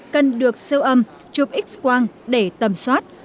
cần được siêu âm chụp x quang để tầm soát